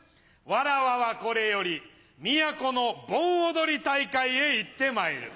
わらわはこれより都の盆踊り大会へ行ってまいる。